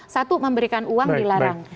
satu memberikan uang dilarang